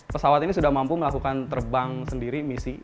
pesawat ini sudah mampu melakukan terbang sendiri misi